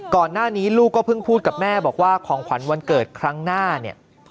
ก่อนหน้านี้ลูกก็เพิ่งพูดกับแม่บอกว่าของขวัญวันเกิดครั้งหน้าเนี่ย